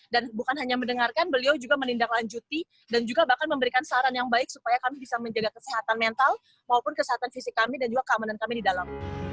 dan bukan hanya mendengarkan beliau juga menindaklanjuti dan juga bahkan memberikan saran yang baik supaya kami bisa menjaga kesehatan mental maupun kesehatan fisik kami dan juga keamanan kami di dalam